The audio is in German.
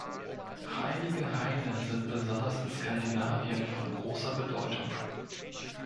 Heilige Haine sind besonders in Skandinavien von großer Bedeutung.